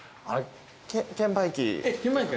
券売機。